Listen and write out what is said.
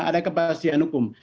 ada kepastian hukum